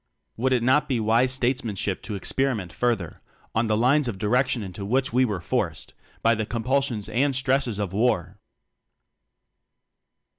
Would it not be wise statesmanship to experiment further on the lines of direction into which we were forced by the compulsions and stresses of War?